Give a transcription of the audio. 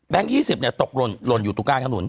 แบงก์๒๐เนี่ยตกลนลนอยู่ตรงก้านทะหนุน